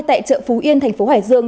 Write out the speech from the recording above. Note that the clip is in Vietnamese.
tại chợ phú yên thành phố hải dương